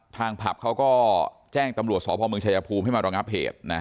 ผับเขาก็แจ้งตำรวจสพเมืองชายภูมิให้มารองับเหตุนะ